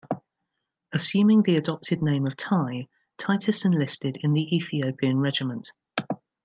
Assuming the adopted name of "Tye", Titus enlisted in the Ethiopian Regiment.